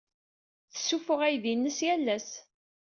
Tessuffuɣ aydi-nnes yal ass.